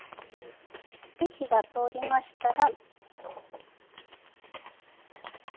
で火が通りましたら。